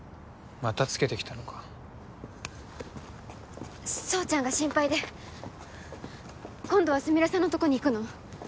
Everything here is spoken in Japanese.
またつけてきたのか宗ちゃんが心配で今度はスミレさんのとこに行くの？